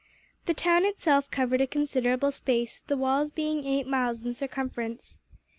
The town itself covered a considerable space, the walls being eight miles in circumference.